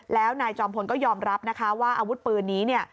แล้วนายจอมพลก็ยอมรับนะคะว่าอาวุธปืนนี้เนี่ย